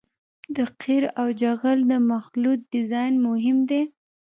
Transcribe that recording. د قیر او جغل د مخلوط ډیزاین مهم دی